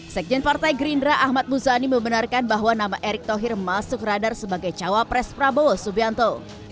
sekjen partai gerindra ahmad muzani membenarkan bahwa nama erick thohir masuk radar sebagai cawapres prabowo subianto